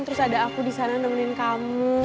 terus ada aku disana nemenin kamu